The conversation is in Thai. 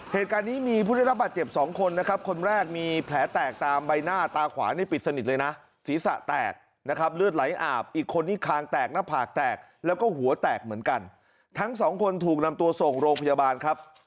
เหตุการณ์นี้มีผู้ได้รับบาดเจ็บสองคนนะครับคนแรกมีแผลแตกตามใบหน้าตาขวานี่ปิดสนิทเลยนะศีรษะแตกนะครับเลือดไหลอาบอีกคนที่คางแตกหน้าผากแตกแล้วก็หัวแตกเหมือนกันทั้งสองคนถูกนำตัวส่งโรงพยาบาลครับ